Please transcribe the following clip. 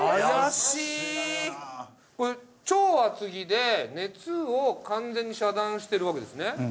これ超厚着で熱を完全に遮断してるわけですね。